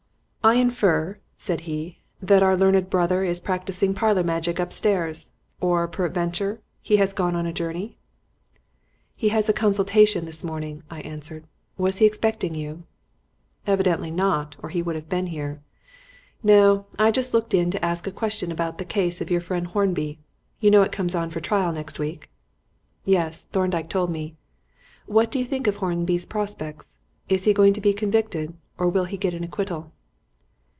"I infer," said he, "that our learned brother is practising parlour magic upstairs, or peradventure he has gone on a journey?" "He has a consultation this morning," I answered. "Was he expecting you?" "Evidently not, or he would have been here. No, I just looked in to ask a question about the case of your friend Hornby. You know it comes on for trial next week?" "Yes; Thorndyke told me. What do you think of Hornby's prospects? Is he going to be convicted, or will he get an acquittal?"